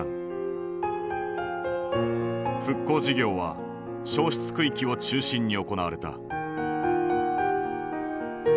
復興事業は焼失区域を中心に行われた。